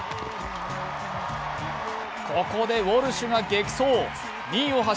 ここでウォルシュが激走。